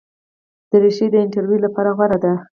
دریشي د انټرویو لپاره غوره ده.